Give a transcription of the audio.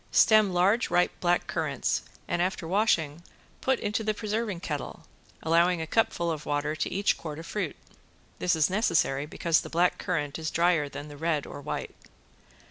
Stem large ripe black currants and after washing put into the preserving kettle, allowing a cupful of water to each quart of fruit. This is necessary because the black currant is drier than the red or white.